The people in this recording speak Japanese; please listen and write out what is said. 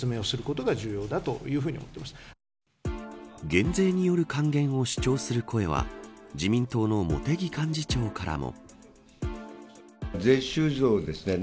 減税による還元を主張する声は自民党の茂木幹事長からも。